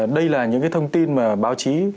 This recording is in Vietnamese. đây là những thông tin mà báo chí